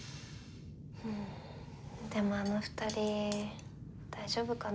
でもあの２人大丈夫かな？